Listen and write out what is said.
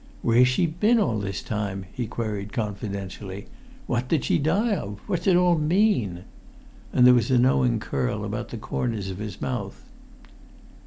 "Where's she been all this time?" he queried, confidentially. "What did she die of? What's it all mean?" And there was a knowing curl about the corners of his mouth.